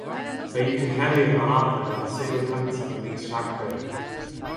Fe'i cynhelir fel arfer ar y Sul cyntaf ym mis Rhagfyr.